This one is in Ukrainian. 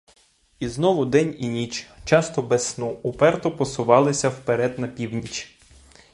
І знову день і ніч, часто без сну, уперто посувалися вперед на північ.